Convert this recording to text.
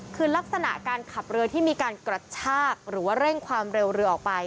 คือลักษณะการขับเรือที่มีการกระชากหรือว่าเร่งความเร็วเรือออกไป